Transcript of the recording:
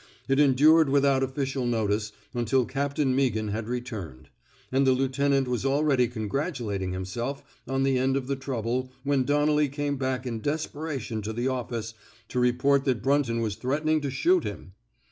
It endured without official notice until Captain Meaghan had returned; and the lieutenant was already congratulating himself on the end of the trouble when Donnelly came back in des peration to the office to report that Brun ton was threatening to shoot him.